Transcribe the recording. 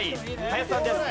林さんです。